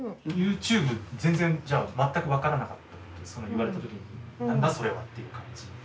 ＹｏｕＴｕｂｅ全然じゃあ全く分からなかったその言われた時に何だそれは？っていう感じ？